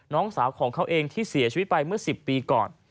น้องสาวของเขาเองที่เสียชีวิตไปเมื่อ๑๐ปีก่อน